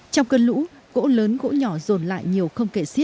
trong cơn lũ cỗ lớn cỗ nhỏ dồn lại nhiều không kể